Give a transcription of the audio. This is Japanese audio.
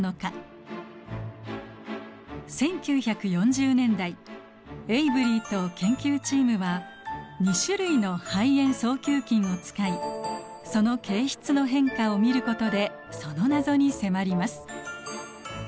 １９４０年代エイブリーと研究チームは２種類の肺炎双球菌を使いその形質の変化を見ることでその謎に迫ります。